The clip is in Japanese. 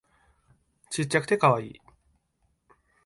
ちっちゃくてカワイイ